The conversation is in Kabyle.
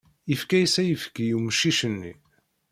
Yefka-as ayefki i umcic-nni.